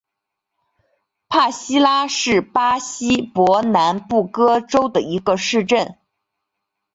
帕西拉是巴西伯南布哥州的一个市镇。